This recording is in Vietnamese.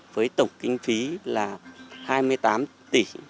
với tổng kinh phí là hai mươi tám tỷ